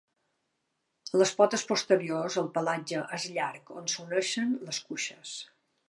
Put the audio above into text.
En les potes posteriors el pelatge és llarg on s'uneixen les cuixes.